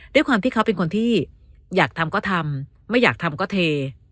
ด้วยความที่เขาเป็นคนที่อยากทำก็ทำไม่อยากทำก็เท